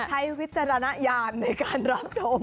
โหลดใช้วิจารณญาณในการรอบชม